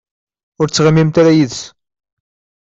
Ur ttɣimimt ara yid-s.